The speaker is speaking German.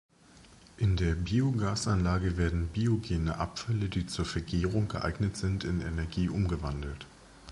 In der Biogasanlage werden biogene Abfälle, die zur Vergärung geeignet sind, in Energie umgewandelt.